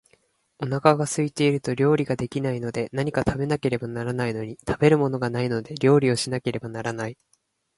お腹が空いていると料理が出来ないので、何か食べなければならないのに、食べるものがないので料理をしなければならない